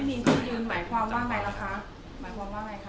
มีเครื่องยืนหมายความว่าไงล่ะคะหมายความว่าไงคะ